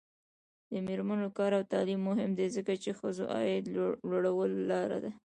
د میرمنو کار او تعلیم مهم دی ځکه چې ښځو عاید لوړولو لاره ده.